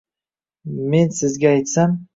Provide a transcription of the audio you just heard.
Men sizga aytsam